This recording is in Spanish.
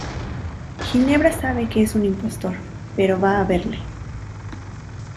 Ginebra sabe que es un impostor, pero va a verle.